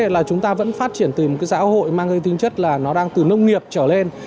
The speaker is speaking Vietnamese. là chúng ta vẫn phát triển từ một cái xã hội mang cái tinh chất là nó đang từ nông nghiệp trở lên